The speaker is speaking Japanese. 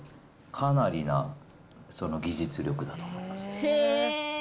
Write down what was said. かなりな技術力だと思います。